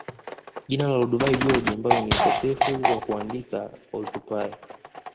Jina la Olduvai Gorge ambayo ni ukosefu wa kuandika Oldupai